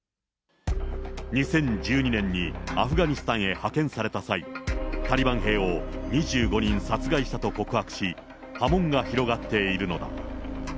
２０１２年にアフガニスタンへ派遣された際、タリバン兵を２５人殺害したと告白し、波紋が広がっているのだ。